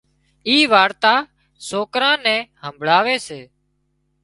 اي وارتا سوڪران نين همڀۯاوي سي